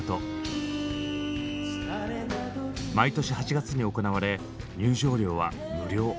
毎年８月に行われ入場料は無料。